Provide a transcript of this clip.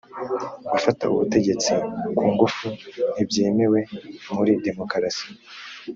gufata ubutegetsi ku ngufu ntibyemewe muri demokrasi